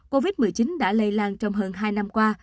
covid một mươi chín đã lây lan trong hơn hai năm qua